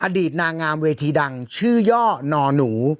อดีตนางงามเวทีดังชื่อย่อนอหนู